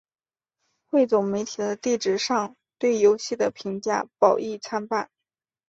汇总媒体的网址上对游戏的评论褒贬参半。